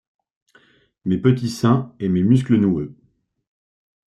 Mes petits seins et mes muscles noueux.